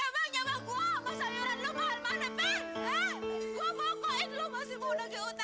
ma juga belum bayar yuran sekolah juleha